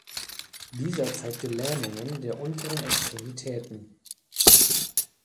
Dieser zeigte Lähmungen der unteren Extremitäten.